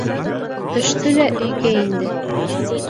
Төштө лә өйгә инде.